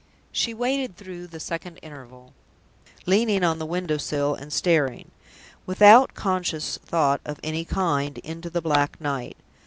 She waited through the second interval, leaning on the window sill, and staring, without conscious thought of any kind, into the black night.